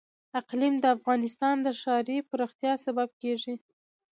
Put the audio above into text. اقلیم د افغانستان د ښاري پراختیا سبب کېږي.